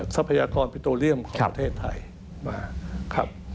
ทรัพยากรปิโตเรียมของประเทศไทยมาครับ